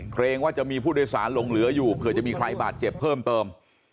เกรงว่าจะมีผู้โดยสารลงเหลืออยู่เผื่อจะมีใครบาดเจ็บเพิ่มเติม